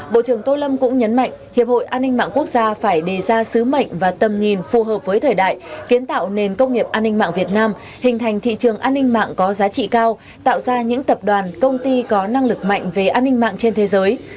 bộ trưởng tô lâm cũng nhấn mạnh hiệp hội an ninh mạng quốc gia phải đề ra sứ mệnh và tầm nhìn phù hợp với thời đại kiến tạo nền công nghiệp an ninh mạng việt nam hình thành thị trường an ninh mạng có giá trị cao tạo ra những tập đoàn công ty có năng lực mạnh về an ninh mạng trên thế giới